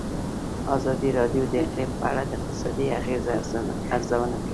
ازادي راډیو د اقلیم په اړه د اقتصادي اغېزو ارزونه کړې.